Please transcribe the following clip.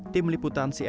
tim liputan cnn indonesia